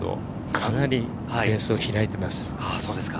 かなりフェースを開いています。